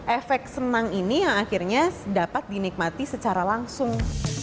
efek senang ini yang akhirnya dapat dinikmati secara langsung